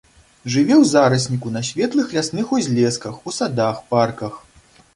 Жыве ў зарасніку, на светлых лясных узлесках, у садах, парках.